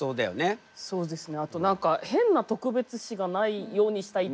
そうですね。